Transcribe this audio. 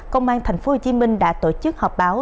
công an tp hcm đã tổ chức họp báo